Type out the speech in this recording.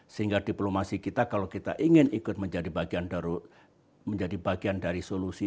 sehingga diplomasi kita kalau kita ingin ikut menjadi bagian dari solusi